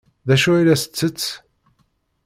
D acu ay la tettett?